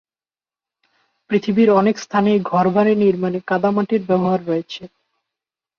পৃথিবীর অনেক স্থানেই ঘর বাড়ি নির্মাণে কাদামাটির ব্যবহার রয়েছে।